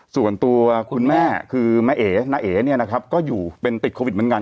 ส่วนตัวคุณแม่คือแม่เอ๋น้าเอ๋เนี่ยนะครับก็อยู่เป็นติดโควิดเหมือนกัน